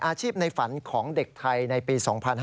อาชีพในฝันของเด็กไทยในปี๒๕๖๑